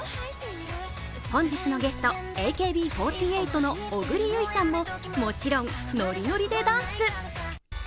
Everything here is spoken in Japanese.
本日のゲスト、ＡＫＢ４８の小栗有以さんももちろんノリノリでダンス。